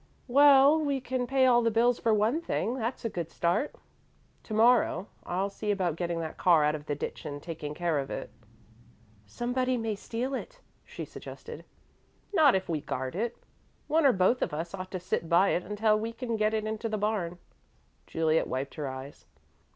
"Well, we can pay all the bills for one thing that's a good start. To morrow, I'll see about getting that car out of the ditch and taking care of it." "Somebody may steal it," she suggested. "Not if we guard it. One or both of us ought to sit by it until we can get it into the barn." Juliet wiped her eyes.